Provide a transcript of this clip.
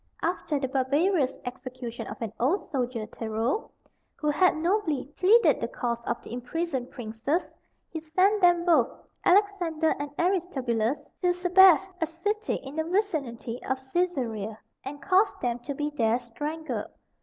After the barbarous execution of an old soldier, Tero, who had nobly pleaded the cause of the imprisoned princes, he sent them both Alexander and Aristobulus to Sebaste, a city in the vicinity of Caesarea, and caused them to be there strangled.